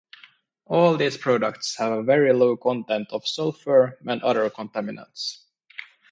All these products have a very low content of sulfur and other contaminants.